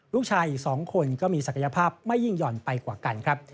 ลูกชายอีก๒คนก็มีศักยภาพไม่ยิ่งหย่อนไปกว่ากันครับ